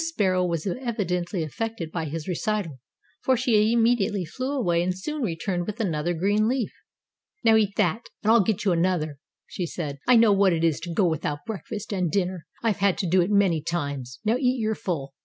Sparrow was evidently affected by his recital, for she immediately flew away and soon returned with another green leaf. "Now eat that, and I'll get you another," she said. "I know what it is to go without breakfast and dinner. I've had to do it many times. Now eat your full."